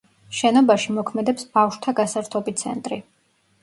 შენობაში მოქმედებს ბავშვთა გასართობი ცენტრი.